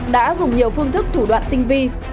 đã dùng nhiều phương thức thủ đoạn tinh vi